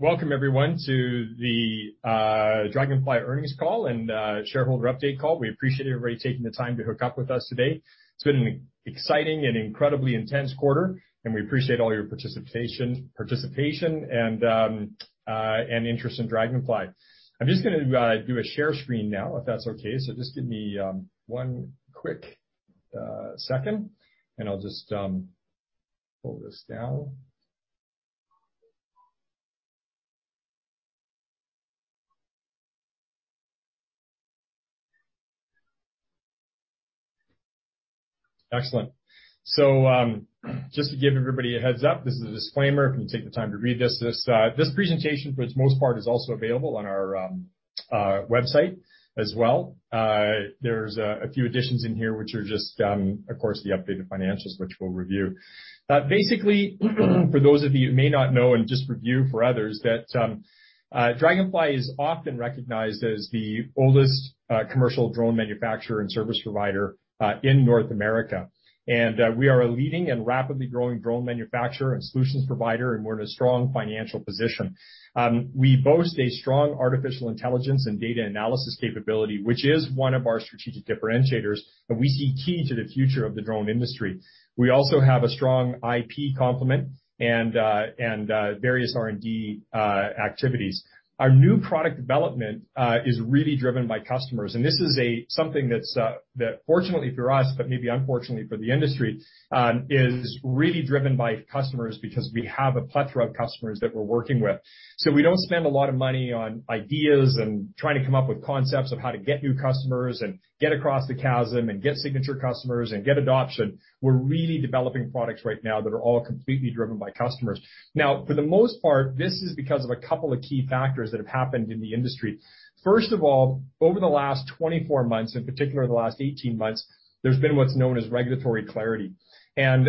...Welcome everyone to the Draganfly earnings call and shareholder update call. We appreciate everybody taking the time to hook up with us today. It's been an exciting and incredibly intense quarter, and we appreciate all your participation and interest in Draganfly. I'm just gonna do a share screen now, if that's okay. So just give me one quick second, and I'll just pull this down. Excellent. So just to give everybody a heads up, this is a disclaimer. If you take the time to read this, this presentation, for its most part, is also available on our website as well. There's a few additions in here, which are just of course the updated financials, which we'll review. Basically, for those of you who may not know and just review for others, that, Draganfly is often recognized as the oldest commercial drone manufacturer and service provider in North America. We are a leading and rapidly growing drone manufacturer and solutions provider, and we're in a strong financial position. We boast a strong artificial intelligence and data analysis capability, which is one of our strategic differentiators, that we see key to the future of the drone industry. We also have a strong IP complement and various R&D activities. Our new product development is really driven by customers, and this is something that's that fortunately for us, but maybe unfortunately for the industry, is really driven by customers because we have a plethora of customers that we're working with. So we don't spend a lot of money on ideas and trying to come up with concepts of how to get new customers and get across the chasm and get signature customers and get adoption. We're really developing products right now that are all completely driven by customers. Now, for the most part, this is because of a couple of key factors that have happened in the industry. First of all, over the last 24 months, in particular, the last 18 months, there's been what's known as regulatory clarity. And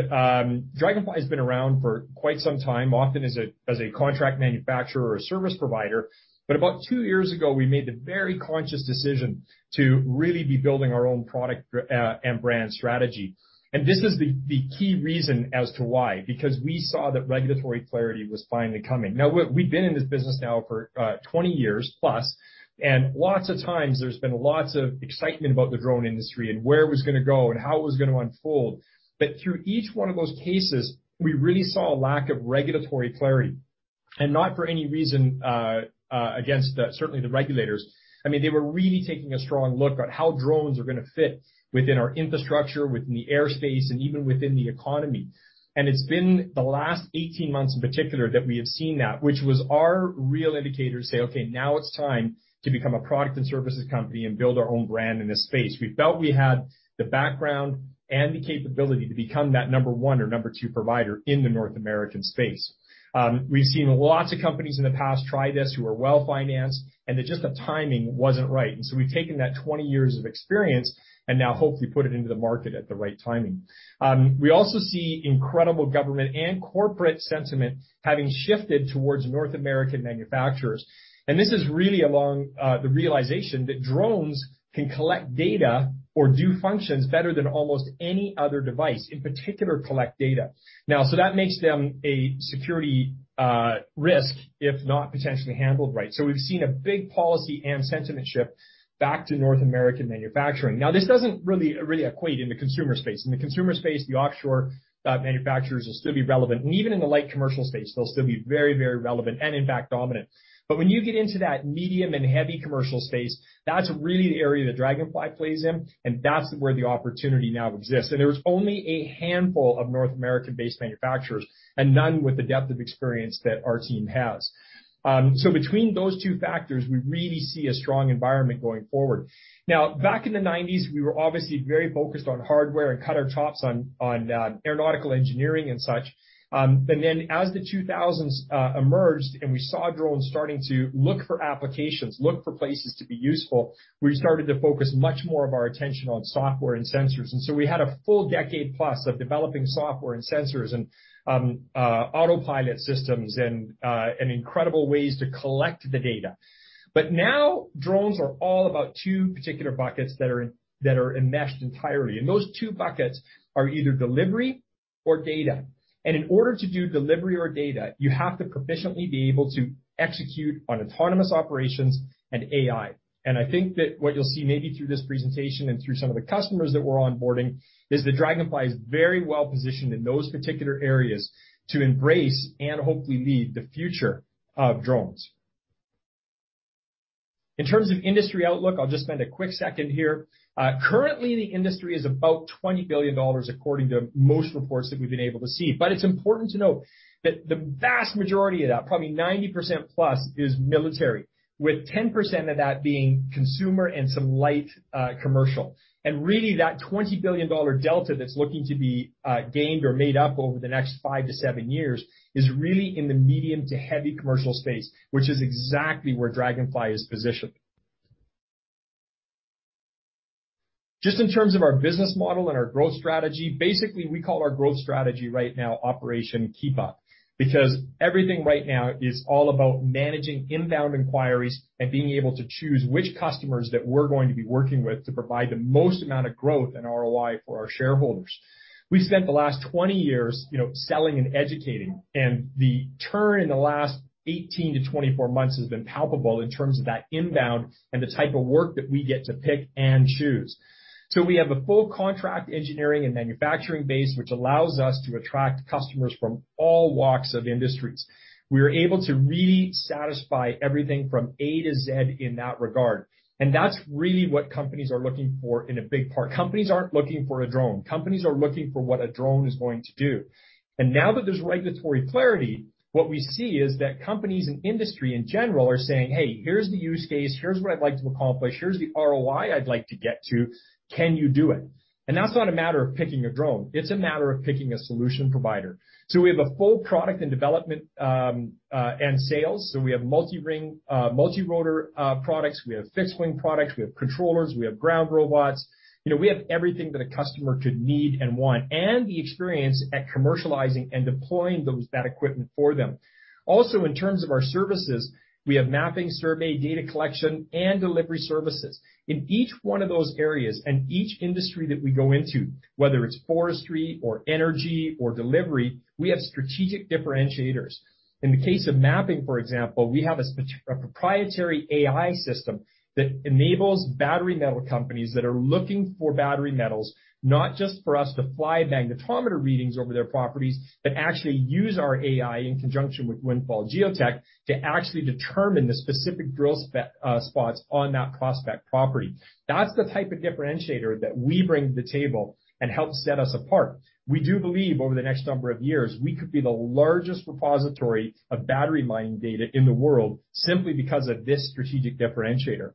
Draganfly has been around for quite some time, often as a contract manufacturer or service provider. But about 2 years ago, we made the very conscious decision to really be building our own product and brand strategy. And this is the key reason as to why, because we saw that regulatory clarity was finally coming. Now, we've been in this business now for 20 years plus, and lots of times there's been lots of excitement about the drone industry and where it was gonna go and how it was gonna unfold. But through each one of those cases, we really saw a lack of regulatory clarity, and not for any reason against, certainly, the regulators. I mean, they were really taking a strong look at how drones are gonna fit within our infrastructure, within the airspace, and even within the economy. It's been the last 18 months, in particular, that we have seen that, which was our real indicator to say, "Okay, now it's time to become a product and services company and build our own brand in this space." We felt we had the background and the capability to become that number one or number two provider in the North American space. We've seen lots of companies in the past try this, who are well-financed, and that just the timing wasn't right. And so we've taken that 20 years of experience and now hopefully put it into the market at the right timing. We also see incredible government and corporate sentiment having shifted towards North American manufacturers. And this is really along the realization that drones can collect data or do functions better than almost any other device, in particular, collect data. Now, so that makes them a security risk, if not potentially handled right. So we've seen a big policy and sentiment shift back to North American manufacturing. Now, this doesn't really, really equate in the consumer space. In the consumer space, the offshore manufacturers will still be relevant, and even in the light commercial space, they'll still be very, very relevant and in fact, dominant. But when you get into that medium and heavy commercial space, that's really the area that Draganfly plays in, and that's where the opportunity now exists. And there's only a handful of North American-based manufacturers, and none with the depth of experience that our team has. So between those two factors, we really see a strong environment going forward. Now, back in the nineties, we were obviously very focused on hardware and cut our chops on aeronautical engineering and such. And then as the 2000s emerged and we saw drones starting to look for applications, look for places to be useful, we started to focus much more of our attention on software and sensors. And so we had a full decade plus of developing software and sensors and, autopilot systems and, and incredible ways to collect the data. But now, drones are all about two particular buckets that are enmeshed entirely, and those two buckets are either delivery or data. And in order to do delivery or data, you have to proficiently be able to execute on autonomous operations and AI. And I think that what you'll see maybe through this presentation and through some of the customers that we're onboarding, is that Draganfly is very well positioned in those particular areas to embrace and hopefully lead the future of drones. In terms of industry outlook, I'll just spend a quick second here. Currently, the industry is about $20 billion, according to most reports that we've been able to see. But it's important to note that the vast majority of that, probably 90% plus, is military, with 10% of that being consumer and some light commercial. And really, that $20 billion delta that's looking to be gained or made up over the next 5-7 years is really in the medium to heavy commercial space, which is exactly where Draganfly is positioned. Just in terms of our business model and our growth strategy, basically, we call our growth strategy right now Operation Keep Up, because everything right now is all about managing inbound inquiries and being able to choose which customers that we're going to be working with to provide the most amount of growth and ROI for our shareholders. We spent the last 20 years, you know, selling and educating, and the turn in the last 18-24 months has been palpable in terms of that inbound and the type of work that we get to pick and choose. So we have a full contract engineering and manufacturing base, which allows us to attract customers from all walks of industries. We are able to really satisfy everything from A to Z in that regard, and that's really what companies are looking for in a big part. Companies aren't looking for a drone. Companies are looking for what a drone is going to do. And now that there's regulatory clarity, what we see is that companies and industry, in general, are saying, "Hey, here's the use case, here's what I'd like to accomplish, here's the ROI I'd like to get to. Can you do it?" And that's not a matter of picking a drone, it's a matter of picking a solution provider. So we have a full product in development, and sales. So we have multi-rotor products, we have fixed-wing products, we have controllers, we have ground robots. You know, we have everything that a customer could need and want, and the experience at commercializing and deploying those, that equipment for them. Also, in terms of our services, we have mapping, survey, data collection, and delivery services. In each one of those areas and each industry that we go into, whether it's forestry or energy or delivery, we have strategic differentiators. In the case of mapping, for example, we have a proprietary AI system that enables battery metal companies that are looking for battery metals, not just for us to fly magnetometer readings over their properties, but actually use our AI in conjunction with Windfall Geotek to actually determine the specific drill spots on that prospect property. That's the type of differentiator that we bring to the table and helps set us apart. We do believe over the next number of years, we could be the largest repository of battery mining data in the world, simply because of this strategic differentiator.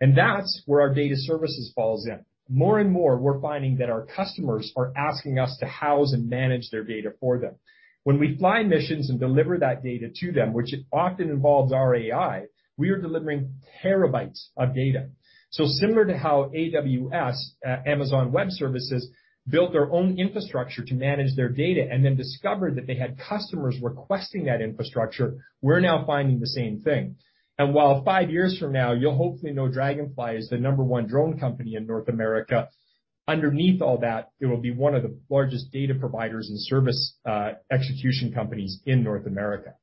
And that's where our data services falls in. More and more, we're finding that our customers are asking us to house and manage their data for them. When we fly missions and deliver that data to them, which often involves our AI, we are delivering terabytes of data. So similar to how AWS, Amazon Web Services, built their own infrastructure to manage their data and then discovered that they had customers requesting that infrastructure, we're now finding the same thing. And while 5 years from now, you'll hopefully know Draganfly is the number one drone company in North America, underneath all that, it will be one of the largest data providers and service execution companies in North America.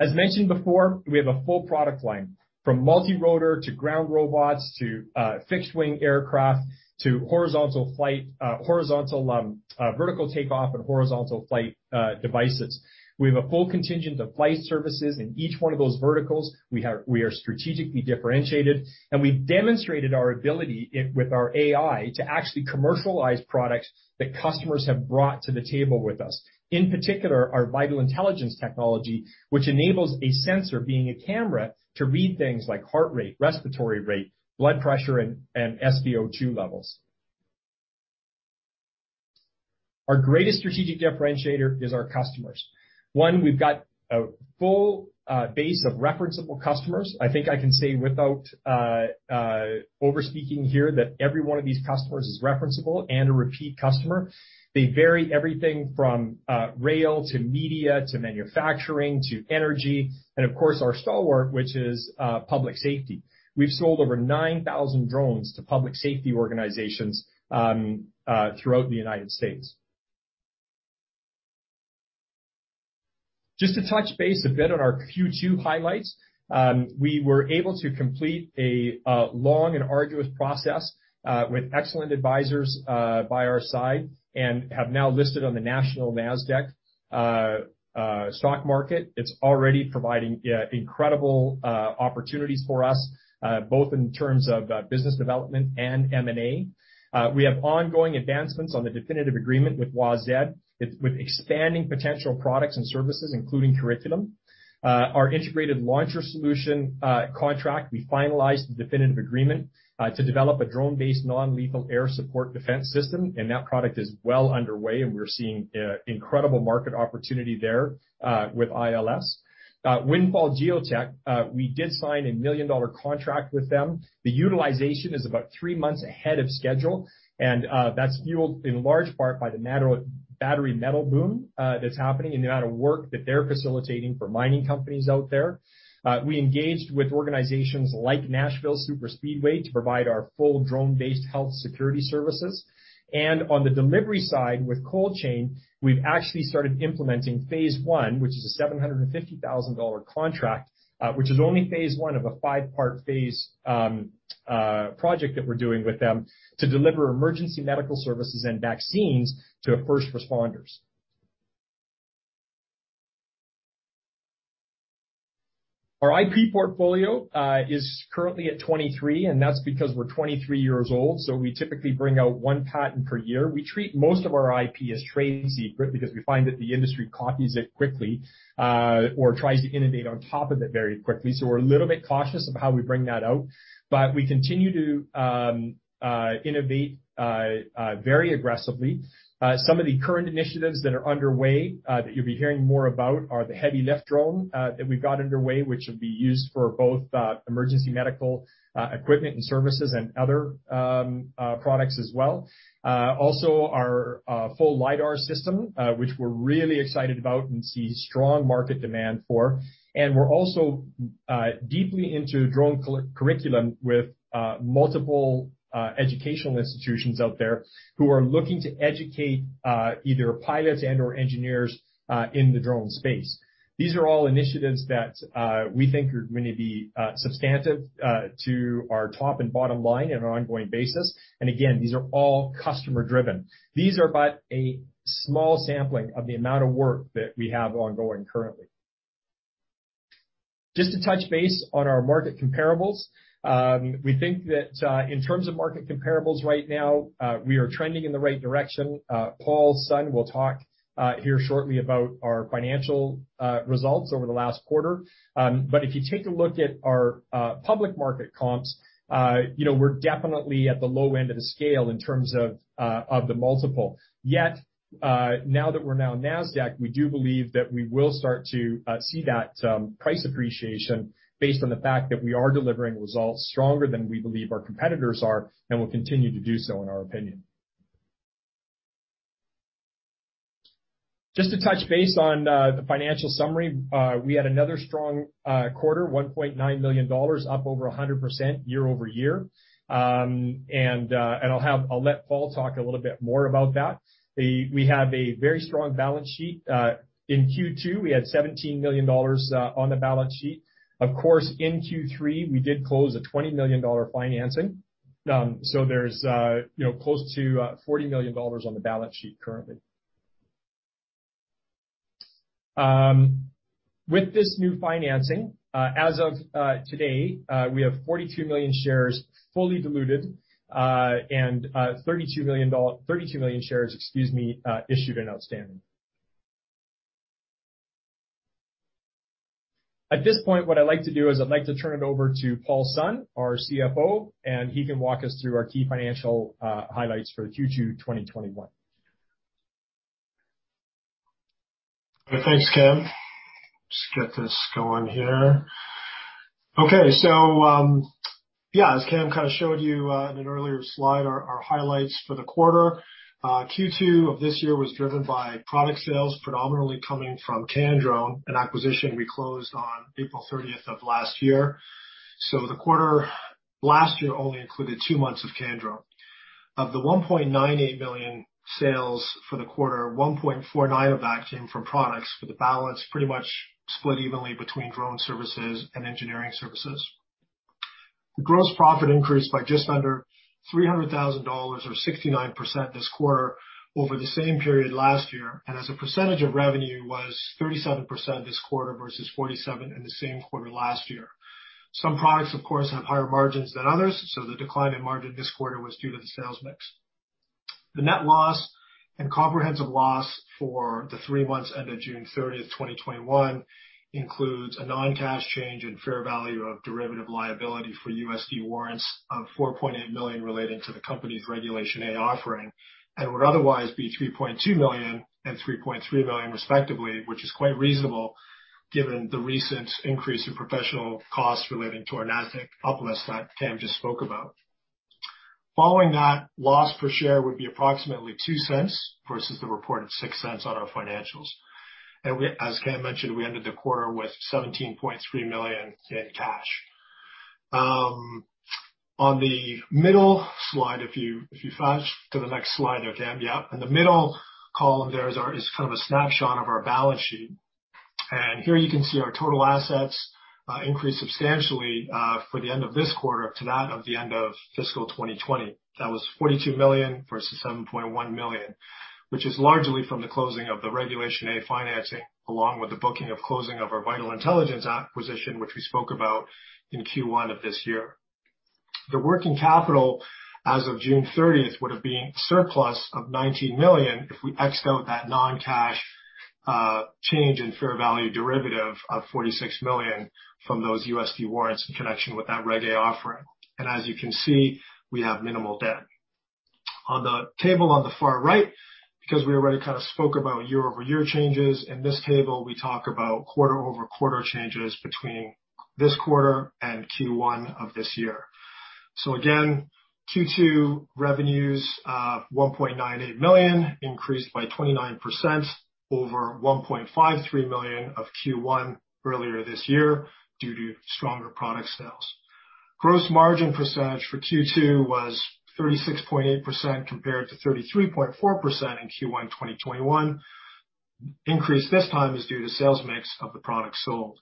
As mentioned before, we have a full product line, from multi-rotor to ground robots to fixed-wing aircraft to horizontal flight horizontal vertical takeoff and horizontal flight devices. We have a full contingent of flight services in each one of those verticals. We are strategically differentiated, and we've demonstrated our ability with our AI to actually commercialize products that customers have brought to the table with us. In particular, our Vital Intelligence technology, which enables a sensor, being a camera, to read things like heart rate, respiratory rate, blood pressure, and SpO2 levels. Our greatest strategic differentiator is our customers. One, we've got a full base of referenceable customers. I think I can say without overspeaking here, that every one of these customers is referenceable and a repeat customer. They vary everything from rail to media, to manufacturing, to energy, and of course, our stalwart, which is public safety. We've sold over 9,000 drones to public safety organizations throughout the United States. Just to touch base a bit on our Q2 highlights, we were able to complete a long and arduous process with excellent advisors by our side and have now listed on the Nasdaq stock market. It's already providing incredible opportunities for us both in terms of business development and M&A. We have ongoing advancements on the definitive agreement with Woz ED, with expanding potential products and services, including curriculum. Our Integrated Launcher Solution contract, we finalized the definitive agreement to develop a drone-based, non-lethal air support defense system, and that product is well underway, and we're seeing incredible market opportunity there with ILS. Windfall Geotek, we did sign a $1 million contract with them. The utilization is about 3 months ahead of schedule, and that's fueled in large part by the auto battery metal boom that's happening and the amount of work that they're facilitating for mining companies out there. We engaged with organizations like Nashville Superspeedway to provide our full drone-based health security services. On the delivery side, with Coldchain, we've actually started implementing phase 1, which is a $750,000 contract, which is only phase 1 of a 5-part phase project that we're doing with them to deliver emergency medical services and vaccines to first responders. Our IP portfolio is currently at 23, and that's because we're 23 years old, so we typically bring out 1 patent per year. We treat most of our IP as trade secret, because we find that the industry copies it quickly or tries to innovate on top of it very quickly, so we're a little bit cautious of how we bring that out. But we continue to innovate very aggressively. Some of the current initiatives that are underway that you'll be hearing more about are the heavy lift drone that we've got underway, which will be used for both emergency medical equipment and services and other products as well. Also our full LiDAR system which we're really excited about and see strong market demand for. And we're also deeply into drone curriculum with multiple educational institutions out there who are looking to educate either pilots and/or engineers in the drone space. These are all initiatives that we think are going to be substantive to our top and bottom line on an ongoing basis. And again, these are all customer driven. These are but a small sampling of the amount of work that we have ongoing currently. Just to touch base on our market comparables, we think that, in terms of market comparables right now, we are trending in the right direction. Paul Sun will talk here shortly about our financial results over the last quarter. But if you take a look at our public market comps, you know, we're definitely at the low end of the scale in terms of of the multiple. Yet, now that we're now in Nasdaq, we do believe that we will start to see that price appreciation based on the fact that we are delivering results stronger than we believe our competitors are, and will continue to do so, in our opinion. Just to touch base on the financial summary, we had another strong quarter, $1.9 million, up over 100% year-over-year. I'll let Paul talk a little bit more about that. We have a very strong balance sheet. In Q2, we had $17 million on the balance sheet. Of course, in Q3, we did close a $20 million financing, so there's, you know, close to $40 million on the balance sheet currently. With this new financing, as of today, we have 42 million shares fully diluted, and 32 million shares, excuse me, issued and outstanding. At this point, what I'd like to do is I'd like to turn it over to Paul Sun, our CFO, and he can walk us through our key financial highlights for Q2 2021. Thanks, Cam. Just get this going here. Okay. So, yeah, as Cam kind of showed you, in an earlier slide, our highlights for the quarter, Q2 of this year was driven by product sales, predominantly coming from Candrone, an acquisition we closed on April 30th of last year. So the quarter last year only included two months of CanDrone. Of the $1.98 million sales for the quarter, $1.49 of that came from products, with the balance pretty much split evenly between drone services and engineering services. The gross profit increased by just under $300,000 or 69% this quarter over the same period last year, and as a percentage of revenue, was 37% this quarter versus 47% in the same quarter last year. Some products, of course, have higher margins than others, so the decline in margin this quarter was due to the sales mix. The net loss and comprehensive loss for the three months ended June 30, 2021, includes a non-cash change in fair value of derivative liability for USD warrants of $4.8 million related to the company's Regulation A offering, and would otherwise be $3.2 million and $3.3 million, respectively, which is quite reasonable given the recent increase in professional costs relating to our Nasdaq uplisting that Cam just spoke about. Following that, loss per share would be approximately $0.02 versus the reported $0.06 on our financials. And we, as Cam mentioned, we ended the quarter with $17.3 million in cash. On the middle slide, if you flash to the next slide there, Cam. Yep. In the middle column there is our is kind of a snapshot of our balance sheet, and here, you can see our total assets increased substantially for the end of this quarter to that of the end of fiscal 2020. That was $42 million versus $7.1 million, which is largely from the closing of the Regulation A financing, along with the booking of closing of our Vital Intelligence acquisition, which we spoke about in Q1 of this year. The working capital as of June 30th would have been surplus of $19 million, if we X out that non-cash change in fair value derivative of $46 million from those USD warrants in connection with that Reg A offering. As you can see, we have minimal debt. On the table on the far right, because we already kind of spoke about year-over-year changes, in this table, we talk about quarter-over-quarter changes between this quarter and Q1 of this year. So again, Q2 revenues, $1.98 million, increased by 29% over $1.53 million of Q1 earlier this year due to stronger product sales. Gross margin percentage for Q2 was 36.8% compared to 33.4% in Q1 2021. Increase this time is due to sales mix of the products sold.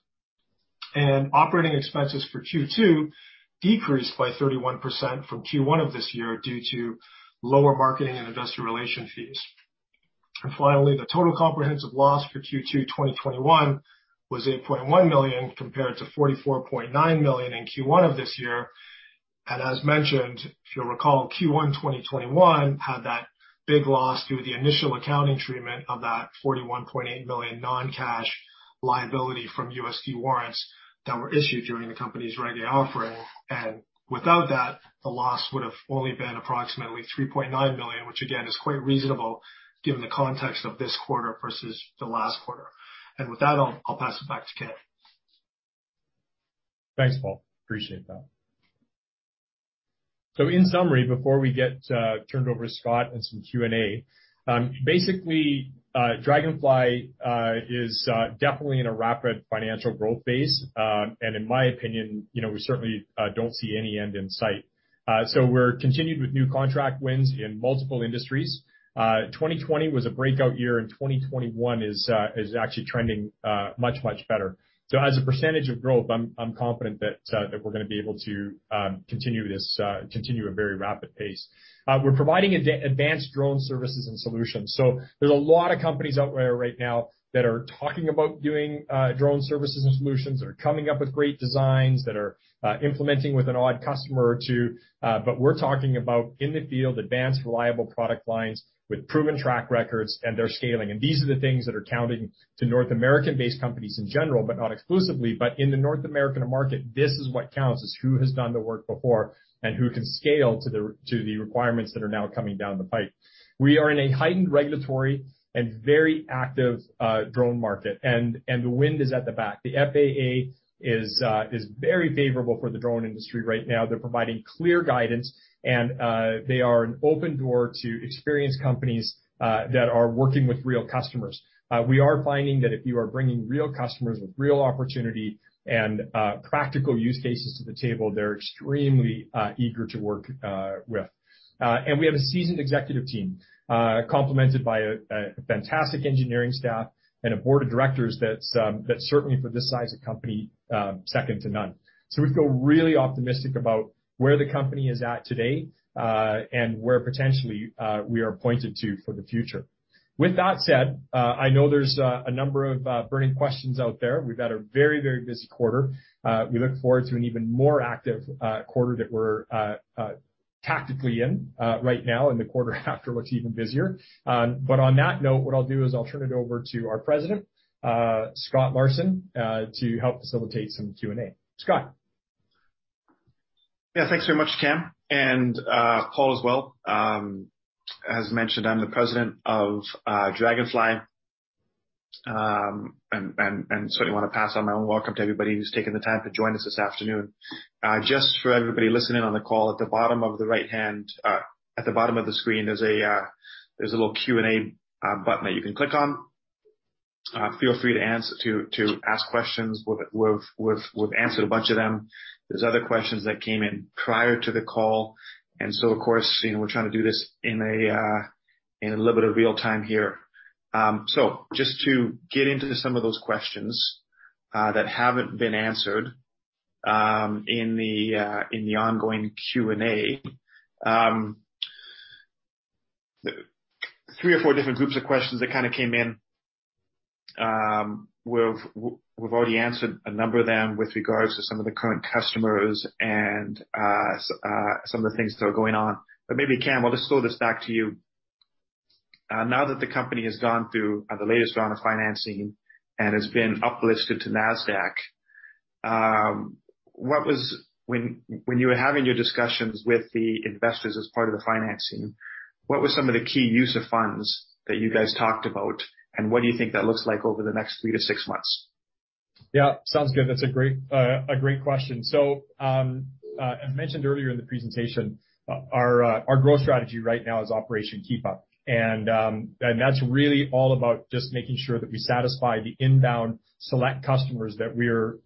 And operating expenses for Q2 decreased by 31% from Q1 of this year due to lower marketing and investor relation fees... And finally, the total comprehensive loss for Q2 2021 was $8.1 million, compared to $44.9 million in Q1 of this year. And as mentioned, if you'll recall, Q1 2021 had that big loss due to the initial accounting treatment of that $41.8 million non-cash liability from USD warrants that were issued during the company's Reg A offering. And without that, the loss would have only been approximately $3.9 million, which again, is quite reasonable given the context of this quarter versus the last quarter. And with that, I'll, I'll pass it back to Cam. Thanks, Paul. Appreciate that. So in summary, before we get turned over to Scott and some Q&A, basically, Draganfly is definitely in a rapid financial growth phase. And in my opinion, you know, we certainly don't see any end in sight. So we're continued with new contract wins in multiple industries. 2020 was a breakout year, and 2021 is actually trending much, much better. So as a percentage of growth, I'm confident that we're gonna be able to continue this, continue a very rapid pace. We're providing advanced drone services and solutions. So there's a lot of companies out there right now that are talking about doing drone services and solutions, that are coming up with great designs, that are implementing with an odd customer or two. But we're talking about in the field, advanced, reliable product lines with proven track records, and they're scaling. And these are the things that are counting to North American-based companies in general, but not exclusively. But in the North American market, this is what counts, is who has done the work before and who can scale to the requirements that are now coming down the pipe. We are in a heightened regulatory and very active drone market, and the wind is at the back. The FAA is very favorable for the drone industry right now. They're providing clear guidance, and they are an open door to experienced companies that are working with real customers. We are finding that if you are bringing real customers with real opportunity and practical use cases to the table, they're extremely eager to work with. And we have a seasoned executive team complemented by a fantastic engineering staff and a board of directors that's certainly for this size of company second to none. So we feel really optimistic about where the company is at today and where potentially we are pointed to for the future. With that said, I know there's a number of burning questions out there. We've had a very, very busy quarter. We look forward to an even more active quarter that we're tactically in right now, and the quarter after looks even busier. But on that note, what I'll do is I'll turn it over to our President, Scott Larson, to help facilitate some Q&A. Scott? Yeah, thanks very much, Cam, and Paul as well. As mentioned, I'm the president of Draganfly, and certainly want to pass on my own welcome to everybody who's taking the time to join us this afternoon. Just for everybody listening on the call, at the bottom of the right hand, at the bottom of the screen, there's a little Q&A button that you can click on. Feel free to ask questions. We've answered a bunch of them. There's other questions that came in prior to the call, and so, of course, you know, we're trying to do this in a little bit of real time here. So just to get into some of those questions that haven't been answered in the ongoing Q&A. Three or four different groups of questions that kind of came in. We've already answered a number of them with regards to some of the current customers and some of the things that are going on. But maybe, Cam, I'll just throw this back to you. Now that the company has gone through the latest round of financing and has been uplisted to Nasdaq, what was- when, when you were having your discussions with the investors as part of the financing, what were some of the key use of funds that you guys talked about, and what do you think that looks like over the next three to six months? Yeah, sounds good. That's a great question. So, as mentioned earlier in the presentation, our growth strategy right now is Operation Keep Up. And that's really all about just making sure that we satisfy the inbound select customers that we are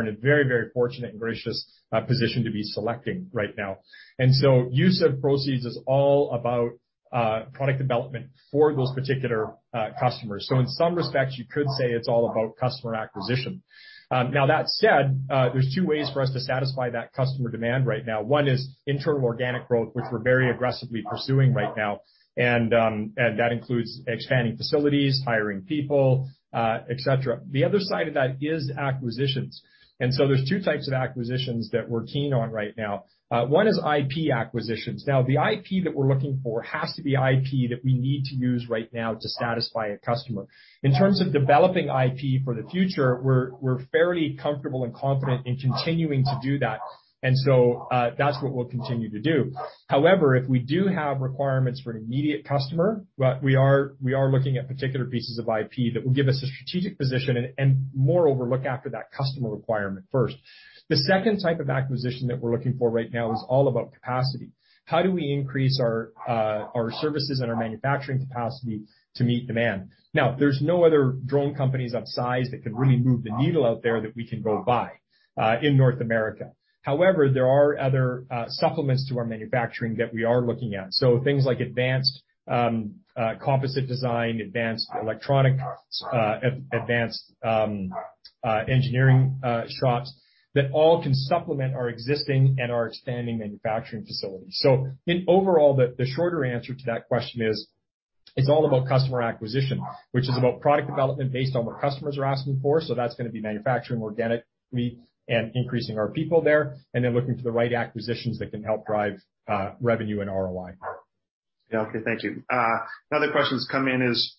in a very, very fortunate and gracious position to be selecting right now. And so use of proceeds is all about product development for those particular customers. So in some respects, you could say it's all about customer acquisition. Now, that said, there's two ways for us to satisfy that customer demand right now. One is internal organic growth, which we're very aggressively pursuing right now, and that includes expanding facilities, hiring people, et cetera. The other side of that is acquisitions. And so there's two types of acquisitions that we're keen on right now. One is IP acquisitions. Now, the IP that we're looking for has to be IP that we need to use right now to satisfy a customer. In terms of developing IP for the future, we're fairly comfortable and confident in continuing to do that, and so, that's what we'll continue to do. However, if we do have requirements for an immediate customer, what we are looking at particular pieces of IP that will give us a strategic position and moreover, look after that customer requirement first. The second type of acquisition that we're looking for right now is all about capacity. How do we increase our services and our manufacturing capacity to meet demand? Now, there's no other drone companies of size that can really move the needle out there that we can go buy in North America. However, there are other supplements to our manufacturing that we are looking at. So things like advanced composite design, advanced electronic advanced engineering shops that all can supplement our existing and our expanding manufacturing facilities. So in overall, the shorter answer to that question is-... It's all about customer acquisition, which is about product development based on what customers are asking for. So that's gonna be manufacturing organically and increasing our people there, and then looking for the right acquisitions that can help drive, revenue and ROI. Yeah. Okay, thank you. Another question that's come in is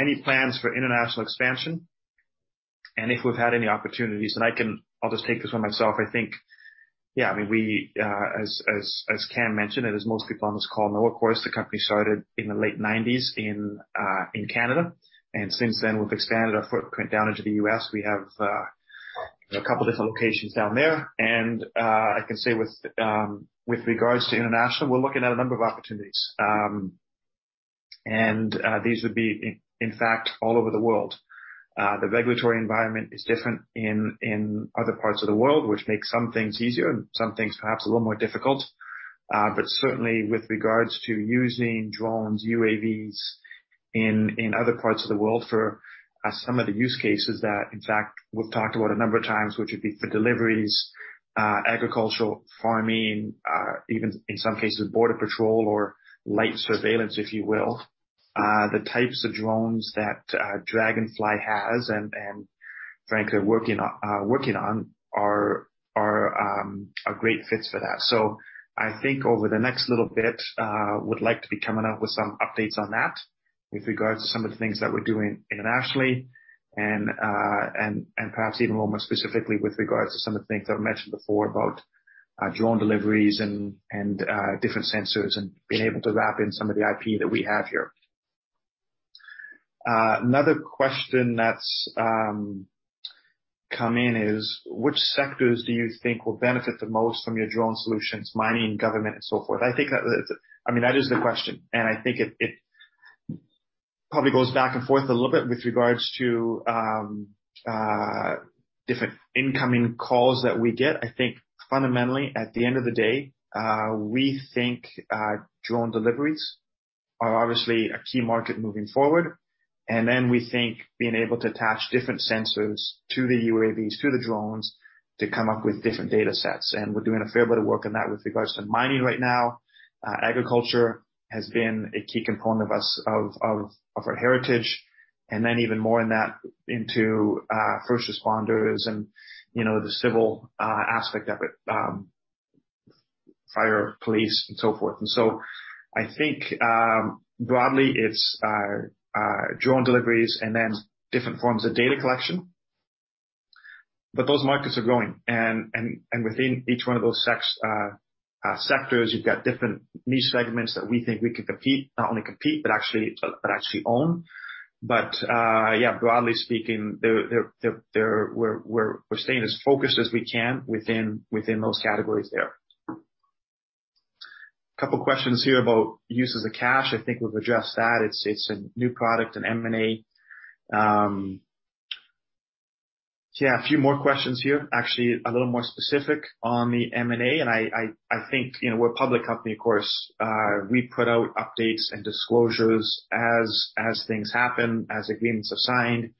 any plans for international expansion, and if we've had any opportunities? And I'll just take this one myself. I think, yeah, I mean, we, as Cam mentioned, and as most people on this call know, of course, the company started in the late 1990s in Canada, and since then we've expanded our footprint down into the U.S. We have a couple different locations down there. And I can say with regards to international, we're looking at a number of opportunities. And these would be, in fact, all over the world. The regulatory environment is different in other parts of the world, which makes some things easier and some things perhaps a little more difficult. But certainly with regards to using drones, UAVs, in other parts of the world for some of the use cases that, in fact, we've talked about a number of times, which would be for deliveries, agricultural farming, even in some cases, border patrol or light surveillance, if you will. The types of drones that Draganfly has and frankly are working on are great fits for that. So I think over the next little bit, would like to be coming up with some updates on that with regards to some of the things that we're doing internationally, and, and, and perhaps even more specifically with regards to some of the things I've mentioned before about, drone deliveries and, and, different sensors and being able to wrap in some of the IP that we have here. Another question that's come in is: Which sectors do you think will benefit the most from your drone solutions, mining, government, and so forth? I think that, I mean, that is the question, and I think it, it probably goes back and forth a little bit with regards to, different incoming calls that we get. I think fundamentally, at the end of the day, we think drone deliveries are obviously a key market moving forward. And then we think being able to attach different sensors to the UAVs, to the drones, to come up with different data sets. And we're doing a fair bit of work on that with regards to mining right now. Agriculture has been a key component of us, of our heritage, and then even more in that, into first responders and, you know, the civil aspect of it, fire, police, and so forth. And so I think, broadly, it's drone deliveries and then different forms of data collection. But those markets are growing, and within each one of those sectors, you've got different niche segments that we think we can compete, not only compete, but actually own. But yeah, broadly speaking, we're staying as focused as we can within those categories there. Couple questions here about uses of cash. I think we've addressed that. It's a new product in M&A. Yeah, a few more questions here, actually a little more specific on the M&A, and I think, you know, we're a public company, of course, we put out updates and disclosures as things happen, as agreements are signed,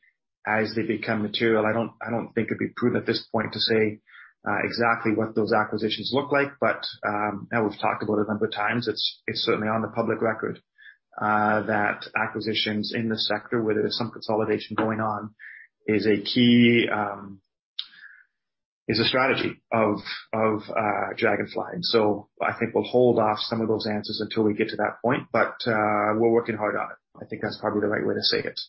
as they become material. I don't, I don't think it'd be prudent at this point to say exactly what those acquisitions look like, but as we've talked about a number of times, it's, it's certainly on the public record that acquisitions in this sector, where there is some consolidation going on, is a key is a strategy of, of Draganfly. So I think we'll hold off some of those answers until we get to that point, but we're working hard on it. I think that's probably the right way to say it.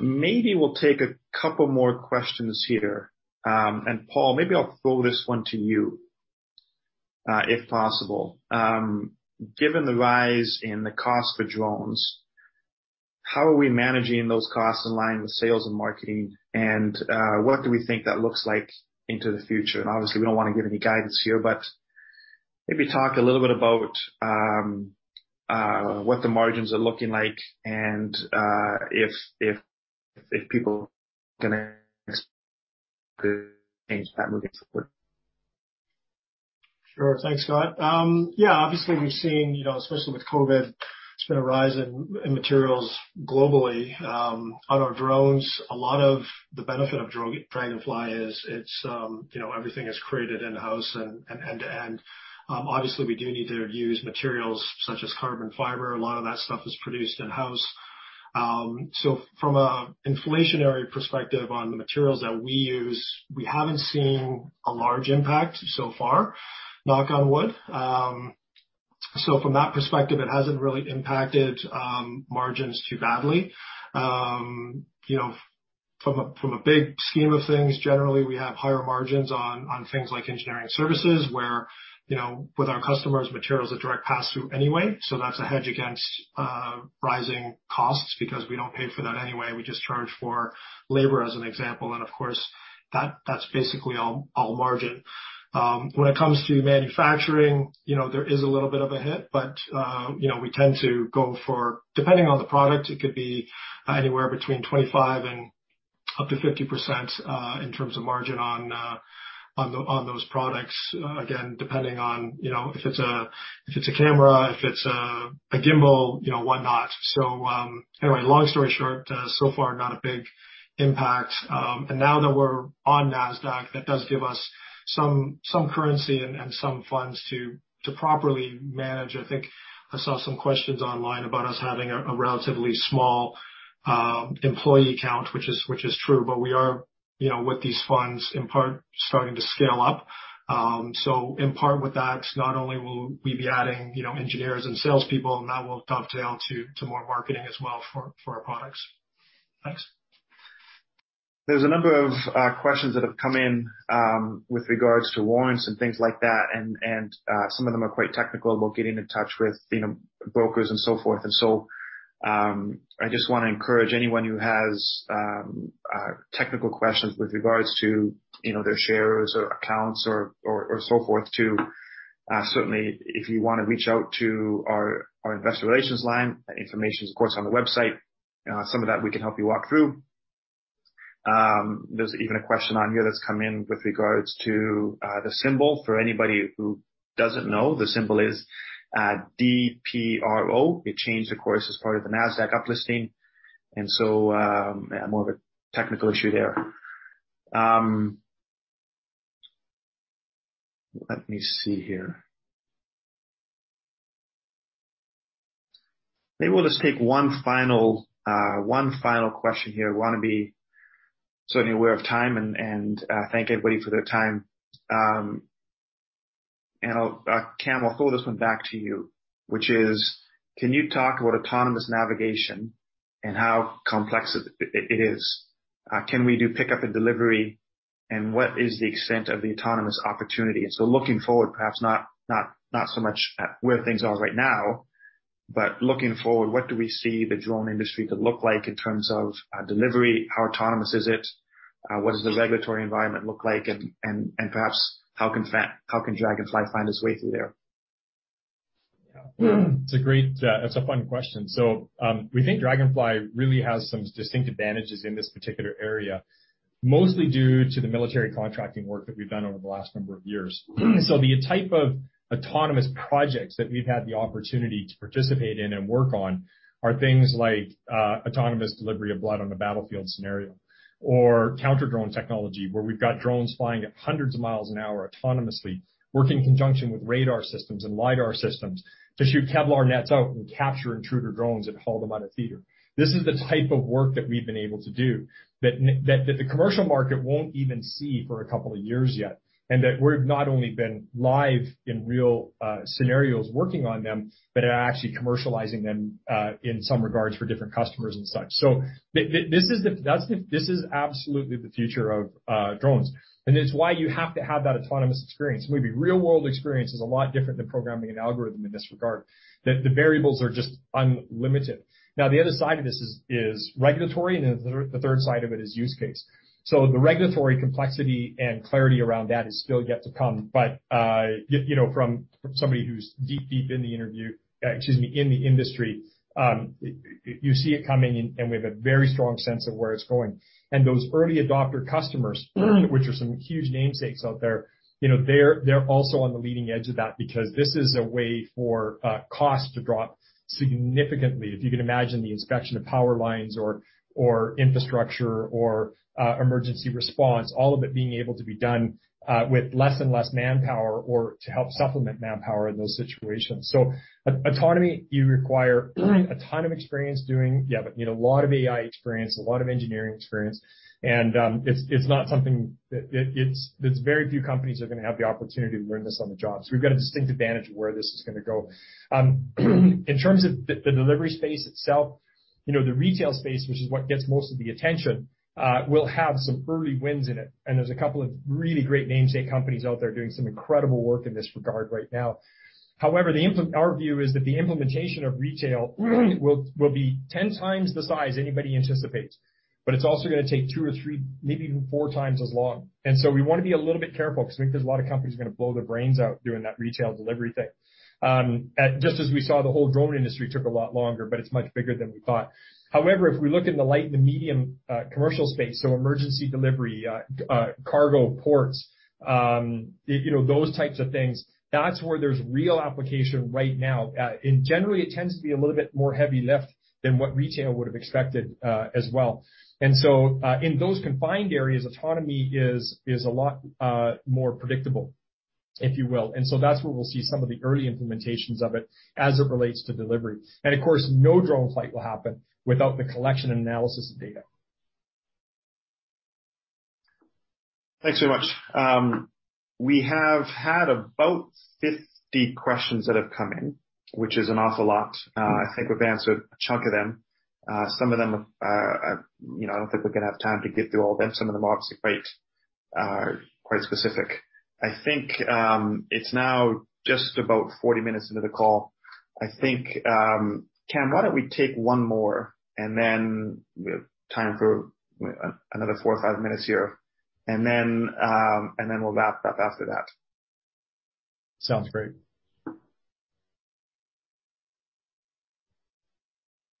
Maybe we'll take a couple more questions here. And Paul, maybe I'll throw this one to you, if possible. Given the rise in the cost for drones, how are we managing those costs in line with sales and marketing? And what do we think that looks like into the future? Obviously, we don't want to give any guidance here, but maybe talk a little bit about what the margins are looking like and if people gonna change that moving forward. Sure. Thanks, Scott. Yeah, obviously we've seen, you know, especially with COVID, there's been a rise in materials globally on our drones. A lot of the benefit of Draganfly is, it's, you know, everything is created in-house and end-to-end. Obviously, we do need to use materials such as carbon fiber. A lot of that stuff is produced in-house. So from an inflationary perspective on the materials that we use, we haven't seen a large impact so far, knock on wood. So from that perspective, it hasn't really impacted margins too badly. You know, from a big scheme of things, generally, we have higher margins on things like engineering services, where, you know, with our customers, material is a direct pass-through anyway, so that's a hedge against rising costs because we don't pay for that anyway. We just charge for labor, as an example, and of course, that's basically all margin. When it comes to manufacturing, you know, there is a little bit of a hit, but, you know, we tend to go for... Depending on the product, it could be anywhere between 25 and up to 50%, in terms of margin on those products. Again, depending on, you know, if it's a camera, if it's a gimbal, you know, whatnot. So, anyway, long story short, so far, not a big impact.... and now that we're on NASDAQ, that does give us some, some currency and, and some funds to, to properly manage. I think I saw some questions online about us having a, a relatively small, employee count, which is, which is true, but we are, you know, with these funds, in part, starting to scale up. So in part with that, not only will we be adding, you know, engineers and salespeople, and that will dovetail to, to more marketing as well for, for our products. Thanks. There's a number of, questions that have come in, with regards to warrants and things like that, and, and, some of them are quite technical about getting in touch with, you know, brokers and so forth. And so, I just wanna encourage anyone who has technical questions with regards to, you know, their shares or accounts or, or, or so forth, to certainly if you want to reach out to our investor relations line, that information is of course on the website. Some of that we can help you walk through. There's even a question on here that's come in with regards to the symbol. For anybody who doesn't know, the symbol is DPRO. It changed, of course, as part of the Nasdaq uplisting, and so more of a technical issue there. Let me see here. Maybe we'll just take one final question here. I wanna be certainly aware of time and thank everybody for their time. And I'll, Cam, I'll throw this one back to you, which is: Can you talk about autonomous navigation and how complex it is? Can we do pickup and delivery, and what is the extent of the autonomous opportunity? And so looking forward, perhaps not so much at where things are right now, but looking forward, what do we see the drone industry to look like in terms of delivery? How autonomous is it? What does the regulatory environment look like? And perhaps, how can Draganfly find its way through there? Yeah. It's a great, it's a fun question. So, we think Draganfly really has some distinct advantages in this particular area, mostly due to the military contracting work that we've done over the last number of years. So the type of autonomous projects that we've had the opportunity to participate in and work on are things like, autonomous delivery of blood on the battlefield scenario, or counter-drone technology, where we've got drones flying at hundreds of miles an hour autonomously, work in conjunction with radar systems and LiDAR systems to shoot Kevlar nets out and capture intruder drones and haul them out of theater. This is the type of work that we've been able to do that the commercial market won't even see for a couple of years yet, and that we've not only been live in real scenarios working on them, but are actually commercializing them in some regards for different customers and such. So this is absolutely the future of drones, and it's why you have to have that autonomous experience. Maybe real-world experience is a lot different than programming an algorithm in this regard, that the variables are just unlimited. Now, the other side of this is regulatory, and then the third side of it is use case. So the regulatory complexity and clarity around that is still yet to come. But, you know, from somebody who's deep, deep in the interview, excuse me, in the industry, you see it coming, and we have a very strong sense of where it's going. And those early adopter customers, which are some huge namesakes out there, you know, they're also on the leading edge of that, because this is a way for cost to drop significantly. If you can imagine the inspection of power lines or infrastructure or emergency response, all of it being able to be done with less and less manpower or to help supplement manpower in those situations. So autonomy you require a ton of experience doing. You have, you know, a lot of AI experience, a lot of engineering experience, and it's not something that... It's very few companies are gonna have the opportunity to learn this on the job. So we've got a distinct advantage of where this is gonna go. In terms of the delivery space itself, you know, the retail space, which is what gets most of the attention, will have some early wins in it, and there's a couple of really great namesake companies out there doing some incredible work in this regard right now. However, our view is that the implementation of retail will be 10 times the size anybody anticipates, but it's also gonna take 2 or 3, maybe even 4 times as long. And so we wanna be a little bit careful, because we think there's a lot of companies are gonna blow their brains out doing that retail delivery thing. Just as we saw, the whole drone industry took a lot longer, but it's much bigger than we thought. However, if we look in the light and the medium commercial space, so emergency delivery, cargo, ports, you know, those types of things, that's where there's real application right now. And generally, it tends to be a little bit more heavy lift than what retail would've expected, as well. And so, in those confined areas, autonomy is a lot more predictable, if you will. And so that's where we'll see some of the early implementations of it as it relates to delivery. And of course, no drone flight will happen without the collection and analysis of data. Thanks very much. We have had about 50 questions that have come in, which is an awful lot. I think we've answered a chunk of them. Some of them, you know, I don't think we're gonna have time to get through all them. Some of them are obviously quite, quite specific. I think, it's now just about 40 minutes into the call. I think, Cam, why don't we take one more, and then we have time for another 4 or 5 minutes here, and then, and then we'll wrap up after that. Sounds great.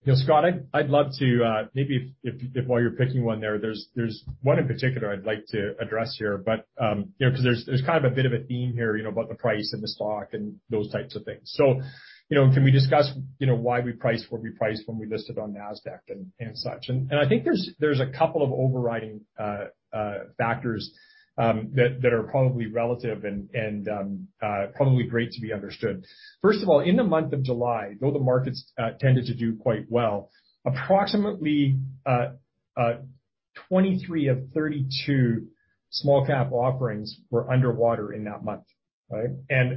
You know, Scott, I'd love to maybe if while you're picking one there, there's one in particular I'd like to address here. But you know, because there's kind of a bit of a theme here, you know, about the price and the stock and those types of things. So, you know, can we discuss, you know, why we priced what we priced when we listed on NASDAQ and such? And I think there's a couple of overriding factors that are probably relative and probably great to be understood. First of all, in the month of July, though the markets tended to do quite well, approximately 23 of 32 small-cap offerings were underwater in that month, right?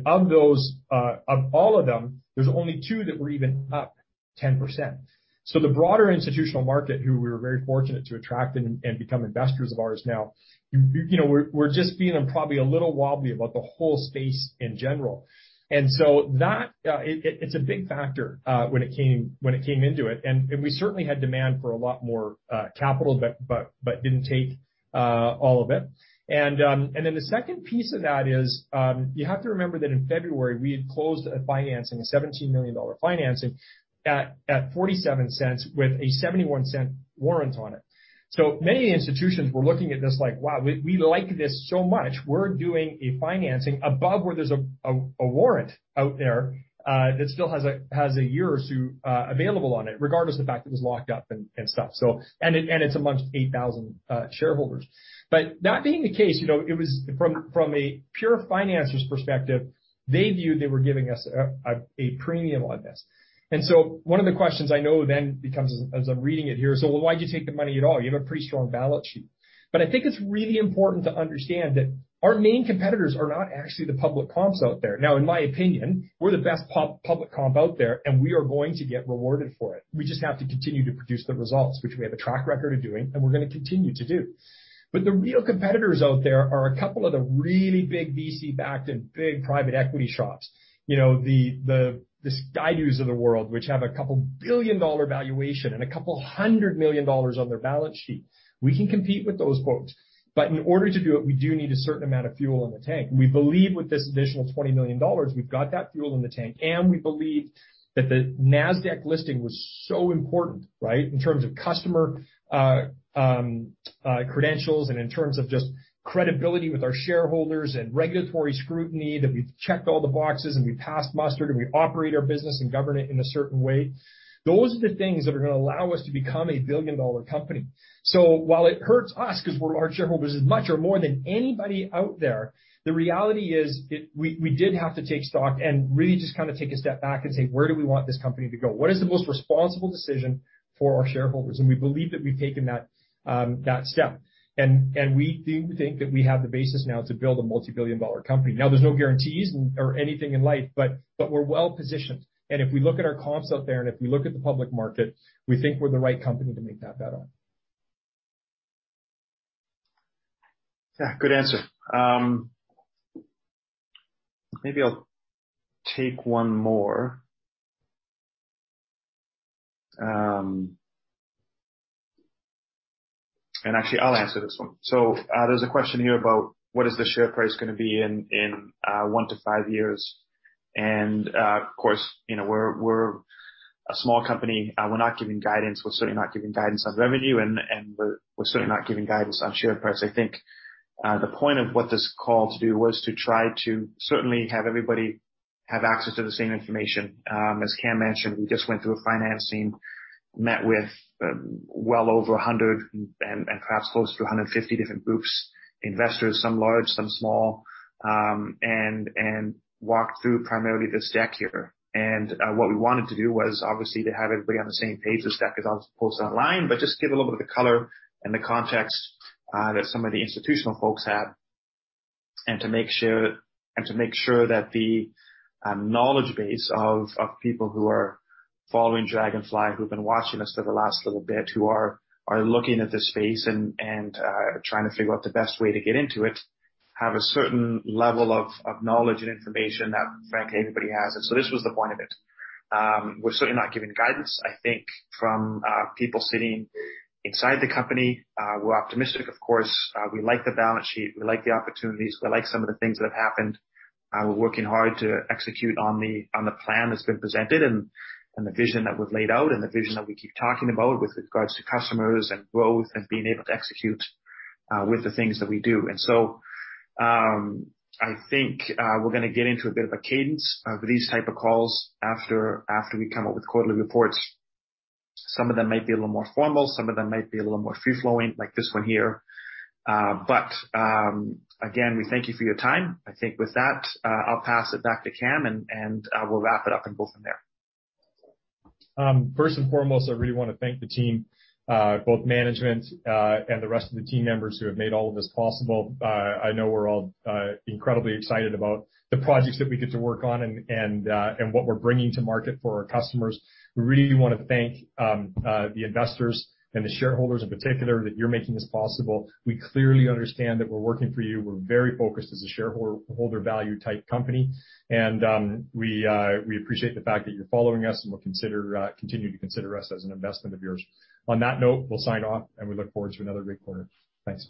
Of those, of all of them, there's only two that were even up 10%. So the broader institutional market, who we were very fortunate to attract and become investors of ours now, you know, were just being probably a little wobbly about the whole space in general. And so that, it's a big factor when it came into it, and we certainly had demand for a lot more capital, but didn't take all of it. And then the second piece of that is, you have to remember that in February, we had closed a financing, a $17 million financing at $0.47 with a $0.71 warrant on it. So many institutions were looking at this like, "Wow, we like this so much." We're doing a financing above where there's a warrant out there that still has a year or two available on it, regardless of the fact that it was locked up and stuff, so... And it's among 8,000 shareholders. But that being the case, you know, it was from a pure financier's perspective, they viewed they were giving us a premium on this. And so one of the questions I know then becomes, as I'm reading it here, "So why'd you take the money at all? You have a pretty strong balance sheet." But I think it's really important to understand that our main competitors are not actually the public comps out there. Now, in my opinion, we're the best public comp out there, and we are going to get rewarded for it. We just have to continue to produce the results, which we have a track record of doing, and we're gonna continue to do. But the real competitors out there are a couple of the really big VC-backed and big private equity shops. You know, the Skydio of the world, which have a couple $2 billion-dollar valuation and a couple hundred $200 million on their balance sheet. We can compete with those folks, but in order to do it, we do need a certain amount of fuel in the tank. We believe with this additional $20 million, we've got that fuel in the tank, and we believe that the Nasdaq listing was so important, right? In terms of customer credentials and in terms of just credibility with our shareholders and regulatory scrutiny, that we've checked all the boxes, and we passed muster, and we operate our business and govern it in a certain way. Those are the things that are gonna allow us to become a billion-dollar company. So while it hurts us, because we're shareholders as much or more than anybody out there, the reality is we did have to take stock and really just kind of take a step back and say: Where do we want this company to go? What is the most responsible decision for our shareholders? And we believe that we've taken that step. And we do think that we have the basis now to build a multi-billion dollar company. Now, there's no guarantees or anything in life, but we're well positioned. If we look at our comps out there, and if we look at the public market, we think we're the right company to make that bet on. Yeah, good answer. Maybe I'll take one more. And actually, I'll answer this one. So, there's a question here about what the share price gonna be in 1 to 5 years. And, of course, you know, we're a small company. We're not giving guidance. We're certainly not giving guidance on revenue, and we're certainly not giving guidance on share price. I think the point of what this call to do was to try to certainly have everybody have access to the same information. As Cam mentioned, we just went through a financing, met with well over 100, and perhaps close to 150 different groups, investors, some large, some small, and walked through primarily this deck here. What we wanted to do was obviously to have everybody on the same page. This deck is also posted online, but just give a little bit of the color and the context that some of the institutional folks have, and to make sure that the knowledge base of people who are following Draganfly, who've been watching us for the last little bit, who are looking at this space and trying to figure out the best way to get into it, have a certain level of knowledge and information that, frankly, everybody has. So this was the point of it. We're certainly not giving guidance. I think from people sitting inside the company, we're optimistic, of course. We like the balance sheet. We like the opportunities. We like some of the things that have happened. We're working hard to execute on the plan that's been presented and the vision that was laid out, and the vision that we keep talking about with regards to customers and growth and being able to execute with the things that we do. And so, I think we're gonna get into a bit of a cadence of these type of calls after we come up with quarterly reports. Some of them might be a little more formal, some of them might be a little more free-flowing, like this one here. But again, we thank you for your time. I think with that, I'll pass it back to Cam, and we'll wrap it up and go from there. First and foremost, I really want to thank the team, both management, and the rest of the team members who have made all of this possible. I know we're all incredibly excited about the projects that we get to work on and and what we're bringing to market for our customers. We really want to thank the investors and the shareholders in particular, that you're making this possible. We clearly understand that we're working for you. We're very focused as a shareholder value type company, and we appreciate the fact that you're following us and will continue to consider us as an investment of yours. On that note, we'll sign off, and we look forward to another great quarter. Thanks.